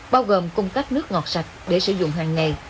bao gồm cung cấp nước ngọt sạch để sử dụng hàng ngày